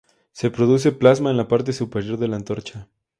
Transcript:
Se produce plasma en la parte superior de la antorcha.